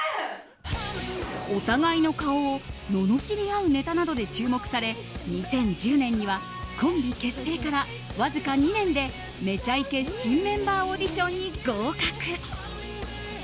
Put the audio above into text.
お互いの顔をののしり合うネタなどで注目され２０１０年にはコンビ結成からわずか２年で「めちゃイケ」新メンバーオーディションに合格。